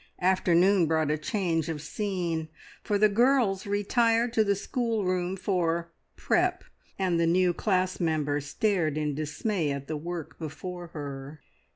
afternoon brought a change of scene, for the girls retired to the schoolroom for "prep," and the new class member stared in dismay at the work before her.